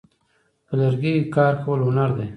په لرګي کار کول هنر دی.